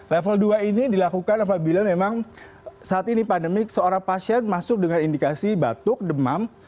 level dua ini dilakukan apabila memang saat ini pandemik seorang pasien masuk dengan indikasi batuk demam